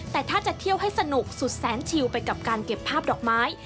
แต่ถ้าจะเที่ยวให้สนุกสุดแสนชิวไปกับการเก็บภาพดอกไม้